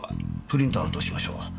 プリントアウトしましょう。